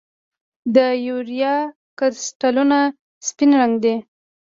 د یوریا کرسټلونه سپین رنګ لري.